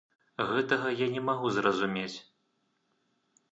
Гэтага я не магу зразумець!